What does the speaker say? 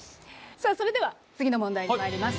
さあそれでは次の問題にまいります。